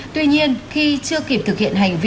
tuy nhiên khi chưa kịp thực hiện hành vi